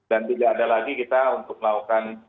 dan tidak ada lagi kita untuk melakukan